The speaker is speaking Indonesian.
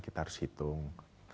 kita harus hitung